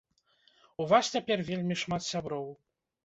У вас цяпер вельмі шмат сяброў.